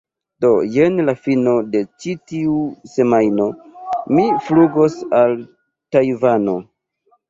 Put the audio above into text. do jen la fino de ĉi tiu semajno mi flugos al Tajvano